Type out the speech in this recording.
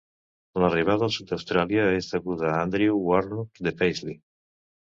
L'arribada al sud d'Austràlia és deguda a Andrew Warnock de Paisley.